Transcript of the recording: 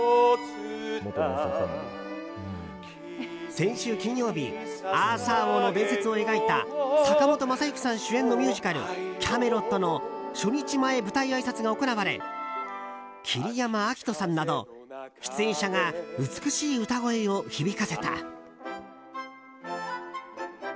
先週金曜日アーサー王の伝説を描いた坂本昌行さん主演のミュージカル「キャメロット」の初日前舞台あいさつが行われ桐山照史さんなど出演者が美しい歌声を響かせた。